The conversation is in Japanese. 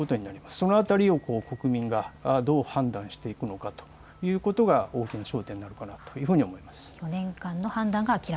その辺りを国民がどう判断していくのかということが大きな焦点になるかなというふうに思います。